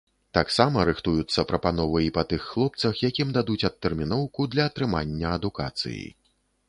Таксама рыхтуюцца прапановы і па тых хлопцах, якім дадуць адтэрміноўку для атрымання адукацыі.